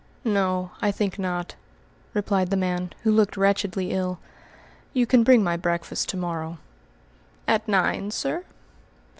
"No, I think not," replied the man, who looked wretchedly ill. "You can bring my breakfast to morrow." "At nine, sir?"